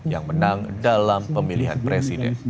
yang menang dalam pemilihan presiden